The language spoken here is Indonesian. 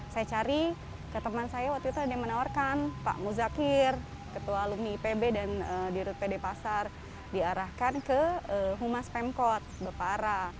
saya cari ke teman saya waktu itu ada yang menawarkan pak muzakir ketua alumni ipb dan dirut pd pasar diarahkan ke humas pemkot bapak ara